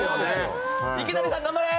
池谷さん、頑張れ！